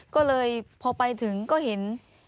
ก็เลยพอไปถึงก็เห็น